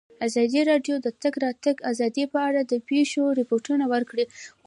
ازادي راډیو د د تګ راتګ ازادي په اړه د پېښو رپوټونه ورکړي.